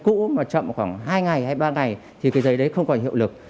của các anh cũ mà chậm khoảng hai ngày hay ba ngày thì cái giấy đấy không còn hiệu lực